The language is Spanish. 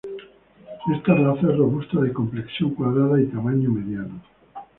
Esta raza es robusta de complexión cuadrada y tamaño mediano.